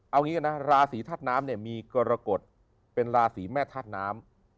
เอางี้กันนะราศีธาตุน้ำเนี่ยมีกรกฎเป็นราศีแม่ธาตุน้ำ